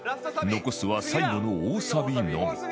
残すは最後の大サビのみ